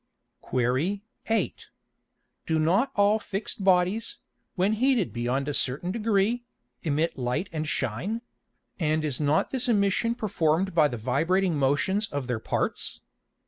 Qu. 8. Do not all fix'd Bodies, when heated beyond a certain degree, emit Light and shine; and is not this Emission perform'd by the vibrating motions of their parts?